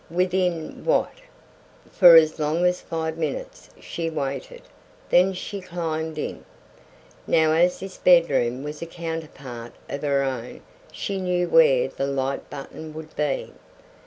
Within, what? For as long as five minutes she waited, then she climbed in. Now as this bedroom was a counterpart of her own she knew where the light button would be.